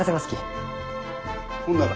ほんなら。